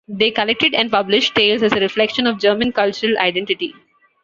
They collected and published tales as a reflection of German cultural identity.